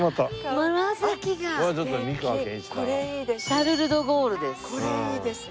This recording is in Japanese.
シャルルドゥゴールです。